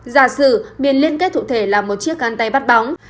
giả sử miền liên kết thụ thể là một chiếc gắn tay bắt bóng